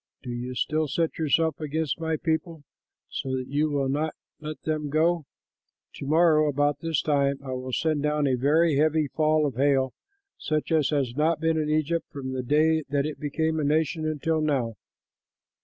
Do you still set yourself against my people, so that you will not let them go? To morrow about this time I will send down a very heavy fall of hail, such as has not been in Egypt from the day that it became a nation until now.'"